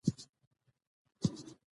اقلیم د افغان ماشومانو د زده کړې موضوع ده.